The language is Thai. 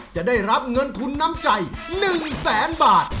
จะได้รับเงินทุนน้ำใจ๑แสนบาท